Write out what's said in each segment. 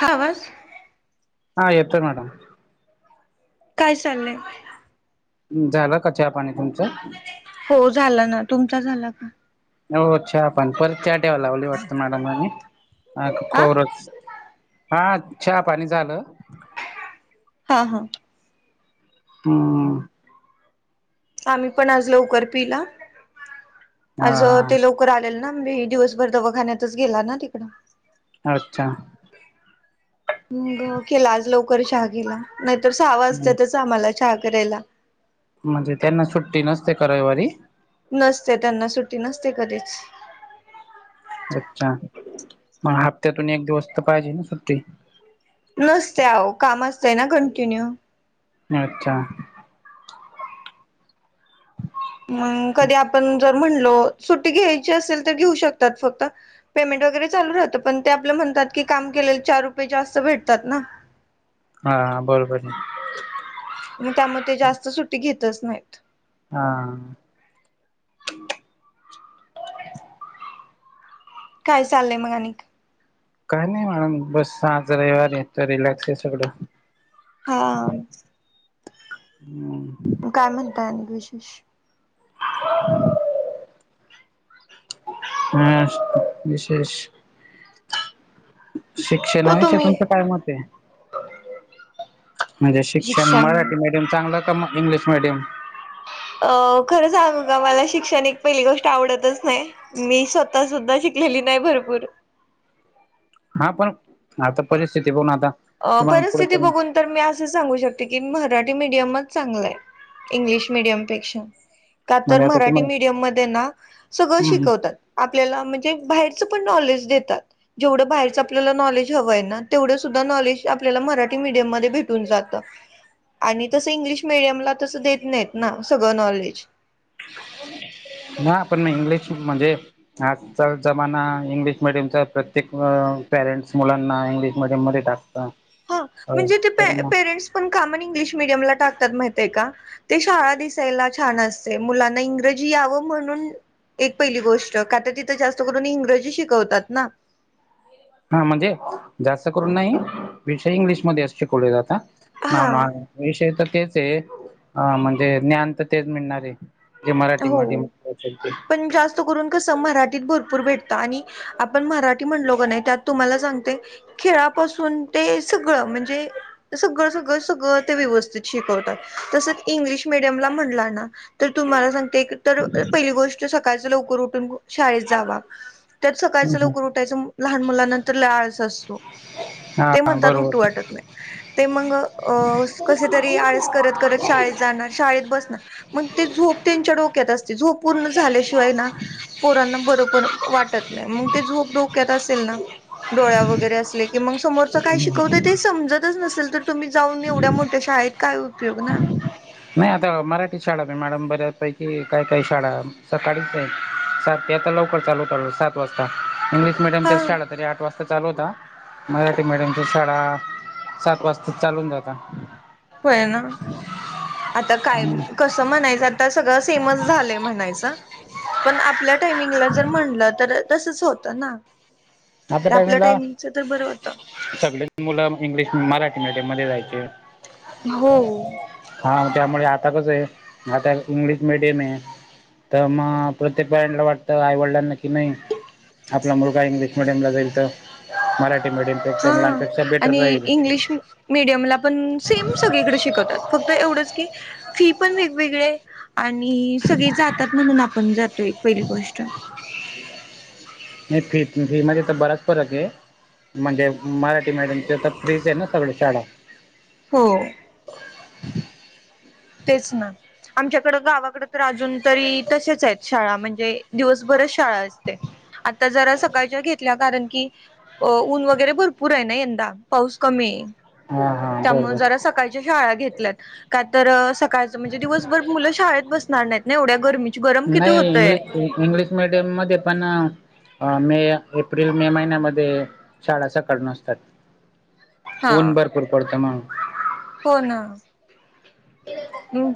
हा आवाज हा येतोय मॅडम काय चाललंय झाला का चा पाणी तुमचं हो झाला ना तुमचा झाला का हो चा पण परत च्या ठेवा लावली वाटत मॅडमही हा खोज हा हा चा पाणी झालं हा हा हा आम्ही पण आज लवकर पिला आज हा ते लव कर आलेल ना मी दिवसभर दवाखान्यातच गेला ना तिकडं अच्छा मग केला आज लवकर चहा गेला नाहीतर सहा वाजततच आम्हाला चहा करायला म्हणजे त्यांना सुट्टी नसते का रविवारी नसते त्यांना सुट्टी नसते कधीच अच्छा मग हप्त्यातून एक दिवस तर पाहिजे ना सुट्टी नसते अहो काम असतंय ना कंटिन्यू अच्छा मग कधी आपण जर म्हणलो सुट्टी घ्यायची असेल तर घेऊ शकतात फक्त पेमेंट वगैरे चालू राहं पण ते आपलं म्हणतात की काम केलेलं चार रुपये जास्त भेटतात ना हाा बरोबर आहे मग त्यामुळं ते जास्त सुट्टी घेतच नाहीत हा काय चालय मग अ आणि काही नाही म्हणून बस आज रविवार रिलॅक्स आहे सगळं हा काय म्हणताय आणि विशेष [inaudible] हम् विशेष तो शिक्षणाविषयी तुम्ही तुमचं काय मत आहे म्हणजे शिक्षण मराठी मीडियम चांगलं का म इंग्लिश मिडियम अ खरं सांगू का मला शिक्षण एक पहिली गोष्ट आवडतच नाही मी स्वतः सुद्धा शिकलेली नाही भरपूर हा पण आता परिस्थिती पण आता अ तुम्हाला पुढे परिस्थिती करून बघून तर मी असं सांगू शकते की मराठी मीडियमच चांगलं आहे इंग्लिश मिडियमपेक्षा का तर म्हणजे आता मराठी मीडियम मध्ये ना सगळं तुम्हाला शिकवतात आपल्याला म्हणजे बाहेरचं पण नॉलेज देतात जेवढं बाहेरच आपल्याला नॉलेज हवंय ना तेवढं सुद्धा नॉलेज आपल्याला मराठी मीडियम मध्ये भेटून जात आणि तसं इंग्लिश मिीडियमला तसं देत नाहीत ना सगळं नॉलेज नाही पण इंग्लिश म्हणजे आजकाल जमाना इंग्लिश मिीडियमचा प्रत्येक पॅरेंट्स मुलांना इंग्लिश मध्ये मध्ये टाकता हा हो म्हणजे ते तर मग पेरेंट्स पण का म्हणून इंग्लिश मिडियम ला टाकतात माहित आहे का ते शाळा दिसायला छान असते मुलांना इंग्रजी यावं म्हणून एक पहिली गोष्ट का तर तिथं जास्त करून इंग्रजी शिकवतात ना हा म्हणजे जास्त करून नाही विषय इंग्लिशमध्येध्ये अस शिकलेले जातात ना हा ना विषय तर तेच आहे अ म्हणजे ज्ञान तर तेच मिळणार आहे ते मराठी म मह ून कस मराठीत भरपूर भेटत आणि आपण मराठी म्हणलो का नाही त्यात तुम्हाला सांगते खेळापासून ते सगळं म्हणजे सगळं सगळं सगळं ते व्यवस्थित शिकवतात तसंच इंग्लिश मिीडियमला म्हटला ना तर तुम्हाला सांगते तर पहिली गोष्ट सकाळच लवकर उठून शाळेत जावा त्यात सकाळच लवकर उठायचं लहान मुलांनंतर लाळाचा असतो ते हा म्हणतात उठू बरोबर वाटत नाही ते मग अ कसे तरी आळस करत करत शाळेत जाणार शाळेत बसणार मग ते झोप त्यांच्या डोक्यात असते झोप पूर्ण झाल्याशिवाय ना पोरांना बरोबर वाटत नाही मग ते झोप डोक्यात असेल ना डोळ्या वगैरे असले की मग समोरं काय शिकवते ते समजतच नसेल तर तुम्ही जाऊन एवढ्या मोठ्या शाळेत काय उपयोग ना नाही आता मराठी शाळा मी मॅडम बऱ्या पैकी काय काय शाळा सकाळीच सात आता लवकर चालू सात वाजता मीडियमच्या हा शाळा तरी आठ वाजता चालू होता मराठी मडियमच्या शाळा सात वाजता चालून जाता होय ना आता काय कस म्हणायचं आता सगळं फेमस झालंय म्हणायचं पण आपल्या टायमिंगला जर म्हणलं तर तसच होतं ना आता ते आपल्या टाईमला टायमिंगच तर बरं होतं सगळे मुलं इंग्लिश मराठी मीडियम मध्ये जायचे हो हा त्यामुळे आता कस आहे आता इंग्लिश मीडियम आहे तर मग प्रत्येक पॅरंटला वाटत आई वडिलांना कि नाही आपला मुलगा देील मीडियमला जाईल तर मराठी मिडियम हा आणि इंग्लिश मीडियमला पण सेम सगळीकडे शिकवतात फक्त एवढंच की फी पण वेगवेगळे आणि सगळे जातात म्हणून आपण जातो एक पहिली गोष्ट नाही फी फी मध्ये तर बराच फरक आहे म्हणजे मराठी मडियमच्या तर फ्रीच आहे ना सगळ शडा होम तेच ना आमच्याकडं गावाकड तर अजून तरी तसेच आहेत शाळा म्हणजे दिवसभरच शाळा असते आता जरा सकाळच्या घेतल्या कारण की अ ऊन वगैरे भरपूर आहे ना यंदा पाऊस कमी आहे हा हा त्यामु जरा बरोबर सकाळच्या शाळा घेतल्यात का तर सकाळ म्हणजे दिवसभर मुलं शाळेत बसणार नाहीत ना एवढ्या गर्मी गरम किती नाही होतंय इंग्लिश इंग्लिश मिीडियम मध्ये पण अ मे एप्रिल मे महिन्यामध्ये शाळा सकाळ नसतात ऊन हां भरपूर पडतय म्हणून. हो ना.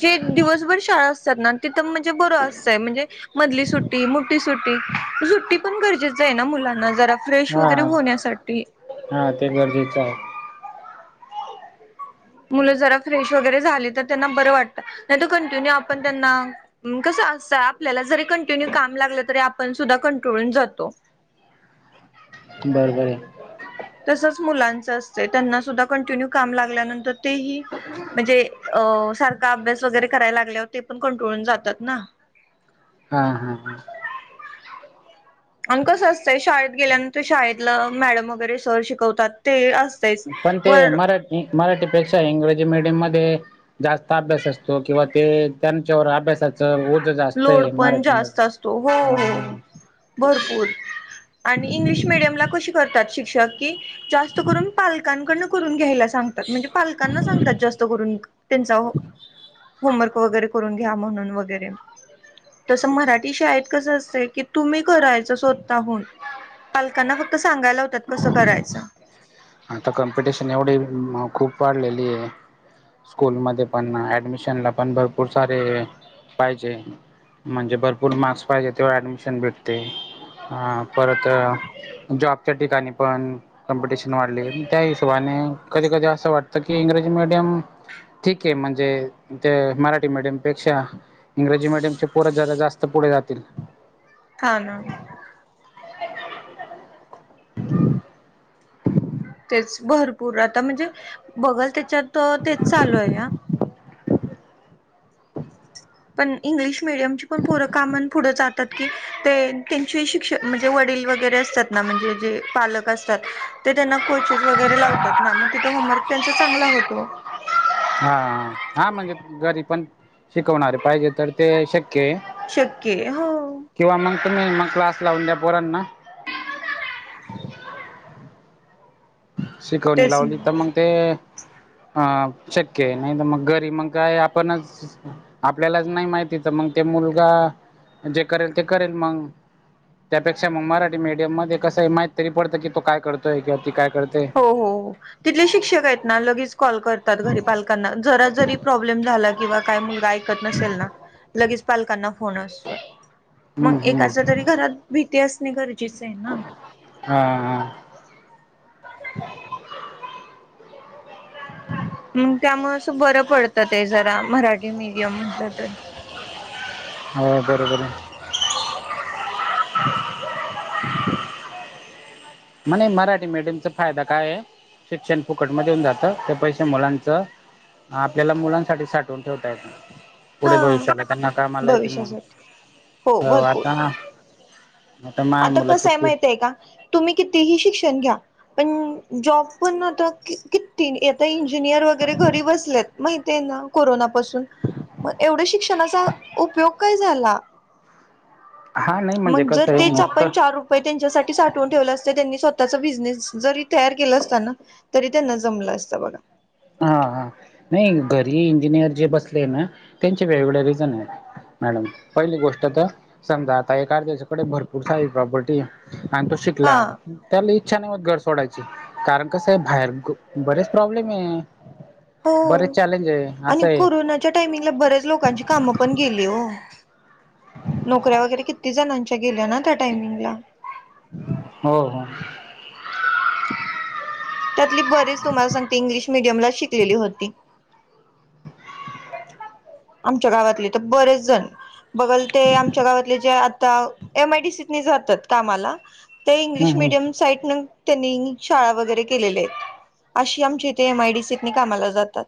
जे दिवसभर शाळा असतात ना तिथं म्हणजे बरं असतंय म्हणजे मधली सुट्टी मोठी सुट्टी सुट्टी पण गरजेच आहे ना मुलांना जरा फ्रेश हा वगैरे होण्यासाठी हा ते गरजेचं आहे मुलं जरा फ्रेश वगैरे झाले तर त्यांना बरं वाटतं नाही तर कंटिन्यू आपण त्यांना कस असं आपल्याला जरी कंटिन्यू काम लागलं तरी आपण सुद्धा कंट्रोलून जातो बरबर य. तसच मुलांच असतय त्यांना सुद्धा कंटिन्यू काम लागल्यानंतर तेही म्हंजे अ सारखा अभ्यास वगैरे करायला लागल्यावर ते पण कंटोळून जातात ना. हा हा हा. आण कसं असतंय शाळेत गेल्यानंतर शाळेतल मॅडम वगैरे सर शिकवतात ते अस पण ते मराठी मराठी पेक्षा इंग्रजी मीडियम मध्ये जास्त अभ्यास असतो किंवा ते त्यांच्यावर अभ्यासाच तर उद्या जा लोड पण जास्त असतो हो हो हा भरपूर आणि इंग्लिश मिडयमला कशी करतात शिक्षक की जास्त करून पालकांकडन करून घ्यायला सांगतात म्हणजे पालकांना सांगतात जास्त करून त्यांचा हो होमवर्क वगैरे करून घ्या म्हणून वगैरे. तसं मराठी शाळेत कसं असतंय की तुम्ही करायचं स्वतःहून. पालकांना फक्त सांगायला होतात कसं करायचं. आता कॉम्पिटिशन एवढी म खूप वाढलेली आहे. स्कूलमध्ये पण ऍडमिशन ला पण भरपूर सारे अ पाहिजे. म्हणजे भरपूर मार्क्स पाहिजे तेव्हा ऍडमिशन भेटते हां. परत अ जॉबच्या ठिकाणी पण कॉम्पिटिशन वाढली त्या हिशोबानी कधी कधी असं वाटतं की इंग्रजी मीडियम ठीकय म्हंजे ते मराठी मीडियम पेक्षा इंग्रजी मीडियमचे पोरं जादा जास्त पुढे जातील. [unintelligible] ना तेच भरपूर आता म्हणजे बघल त्याच्यात तेच चालूय हां. पण इंग्लिश मिडियमची पण पोरं का म्हूण पुढे जातात की ते त्यांची अशी क्ष म्हणजे वडील वगैरे असतात ना म्हणजे जे पालक असतात ते त्यांना कोचेस वगैरे लावतात ना मग तिथं होमवर्क त्यांचा चांगला होतो. हा हा हा म्हणजे घरी पण शिकवणारे पाहिजे तर ते शक्य आहे. शक्यय हो. किंवा मग तुम्ही मग क्लास लावून द्या पोरांना शिकवणी तेच लावली त मगं ते अ शक्य आहे नाही त मगं घरी मगं काय आपणच आपल्यालाच नाही माहिती तर मगं ते मुलगा जे करेल ते करेल मगं. त्यापेक्षा मग मराठी मीडियम मध्ये कसंय माहीत तरी पडतं, कि तो काय करतोय किंवा ती काय करतय? हो हो हो. तिथले शिक्षक आहेत ना लगेच कॉल करतात घरी पालकांना जरा जरी प्रॉब्लेम झाला किंवा काही मुलगा ऐकत नसेल ना लगेच पालकांना फोन असतोय. मग हम्म एकाच हम्म तरी घरात भीती असणे गरजेच हाय ना. हा हा. [unintelligible] हम्म त्यामुळे असं बरं पडतं ते जरा मराठी मीडियम म्हटलं तर. हव बरोबर हाय. म्हणे मराठी मीडियमचा फायदा काय हाय? शिक्षण फुकट मध्ये येऊन जातं ते पैसे मुलांचं आपल्याला मुलांसाठी साठवून ठेवता येत. पुढे हा भविष्याला त्यांना कामाला येतील मंग भविष्यासाठी हो आता आता माझ्या मुलाची फी ते का तुम्ही कितीही शिक्षण घ्या पण जॉब पण आता किती आता इंजिनियर वगैरे घरी बसलेत माहिती ना कोरोनापासून मग एवढ्या शिक्षणाचा उपयोग काय झाला हा नाही म्हणजे मग जर कसं आहे तेच नुसतं आपण चार रुपये त्यांच्यासाठी साठवून ठेवलं असतं त्यांनी स्वतःचा बिझनेस जरी तयार केला असताना तरी त्यांना जमलं असतं बघा हा हा नाही घरी इंजिनियर जे बसले ना त्यांचे वेगवेगळे रिजन आहेत. मॅडम पहिली गोष्ट तर समजा आता एखाद्या त्यायाच्याकडे भरपूर सारी प्रॉपर्टी आणि तो शिकला हा त्याला इच्छा नाही मत घर सोडायची कारण कसं आहे बाहेर बरेच प्रॉब्लेम आहे. हो बरेच चॅलेंज आहे आणि असं आहे कोरोनाच्या टाइमिंगला बऱ्याच लोकांची काम पण गेली हो नोकऱ्या वगैरे किती जणांच्या गेल्या ना त्या टायमिंगला हो हो त्यातली बरीेच तुम्हाला सांगते इंग्लिश मिडियमला शिकलेली होती. आच्या गावातले तर बरेच जण बघल ते आमच्या गावातले जे आता एम आयडीसीत जातात कामाला. ते इंग्लिश मिडियम हम्म साईट त्यांनी शाळा वगैरे केलेल्या आहेत. अशी आमची इथे एम आयडीसीत कामाला जातात.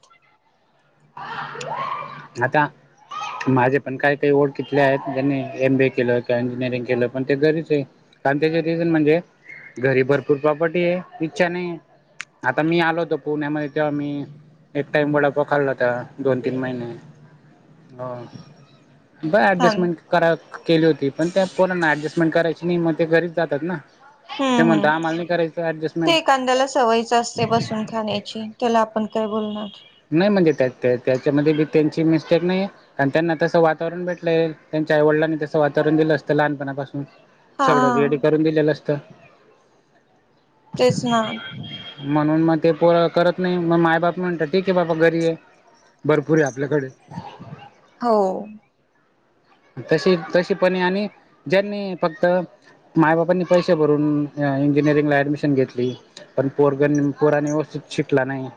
आता माझे पण काय काही ओळखितले आहेत त्यांनी एमबी केलं किंवा इंजिनिअरिंग केलं पण ते घरीच आहे. कारण त्याच्या दिसून म्हणजे घरी भरपूर प्रॉपर्टी आहे इच्छा नाही आहे. आता मी आलो होतो पुण्यामध्ये तेव्हा मी एक टाइम वडा पाव खाला आ दोन तीन महिने बर हा ऍडजस्मेंट करा केली होती पण त्या पोर ऍडजस्टमेंट करायची नाही मग ते घरीच जातात ना ते हम्म हम्म म्हणता आम्हाला नाही करायचं ऍडजस्टमेंट ते एखादया सवयीचं असतं बसून खाण्याची त्याला आपण काय बोलणार नाही म्हणजे त्यात त्याच्यामध्ये त्यांची मिस्टेक नाही आहे. कारण त्यांना तसं वातावरण भेटलंल त्यांच्या आईवडिलांनी तसं वातावरण दिलं असतं लहानपणापासून हा सगळं रेडी करून दिलेलं असतं तेच ना म्हणून मग ते पोर करत नाही मग माय बाप म्हणतात. ठीक आहे बाबा घरी आहे भरपूर आहे आपल्याकडे हो तशी तशी पणे आणि ज्यांनी फक्त माय बापांनी पैसे भरून इंजिनिअरिंगला ऍडमिशन घेतली. पण पोरगण पोरांना व्यवस्थित शिकला नाही.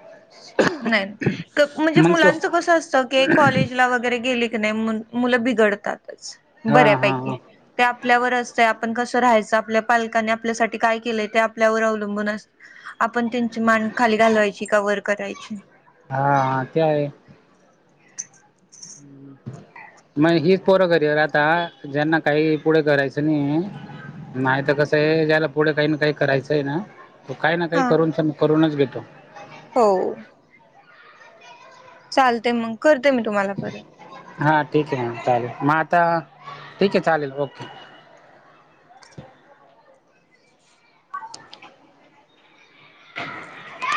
नाही म्हणजे मग तो मुलांचं कसं असतं की कॉलेजला वगैरे गेले की नाही म्हणून मुलं बिघडतातच हा हा बऱ्यापैकी हा ते आपल्यावर असतं आपण कसं राहायचं. आपल्या पालकांने आपल्यासाठी काय केलंय ते आपल्यावर अवलंबून असत आपण त्यांची मान खाली घालवायची का वर करायची. हा ते आहे. मग हिच पोरं घरी राहतात ज्यांना काही पुढे करायचं नाही. नाही तर कसं आहे ज्याला पुढे काही ना काही करायचं आहे ना तो काही ना काही हा. करून करूनच घेतो. हो. चालतंय मग करते मी तुम्हाला परत हा ठीक आहे ना चालेल मग आता ठीक आहे चालेल ओके. [inaudible] [unintelligible]